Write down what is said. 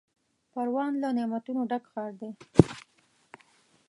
پروان له نعمتونو ډک ښار دی.